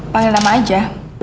panggil nama aja